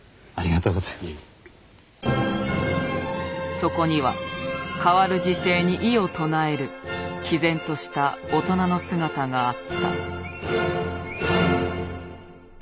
そこには変わる時勢に異を唱えるきぜんとした大人の姿があった。